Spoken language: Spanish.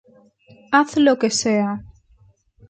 haz lo que sea